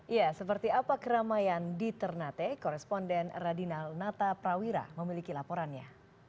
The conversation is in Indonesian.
ya seperti apa keramaian di ternate koresponden radinal nata prawira memiliki laporannya